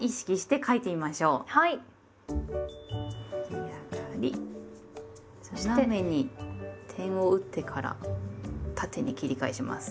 右上がりそして斜めに点を打ってから縦に切り返します。